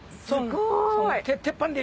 鉄板で。